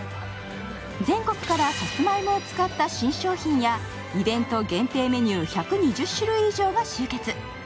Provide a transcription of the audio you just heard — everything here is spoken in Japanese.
全国からさつまいもを使った新商品やイベント限定メニュー１２０種類以上が集結。